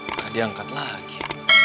gak diangkat lagi